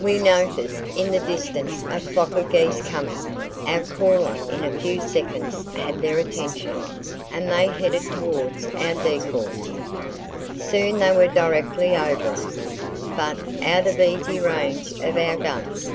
"We noticed in the distance a flock of geese coming. Our caller in a few seconds had their attention, and they headed towards our decoys. Soon they were directly over us, but out of easy range of our guns.